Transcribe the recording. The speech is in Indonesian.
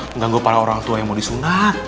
mengganggu para orang tua yang mau disunah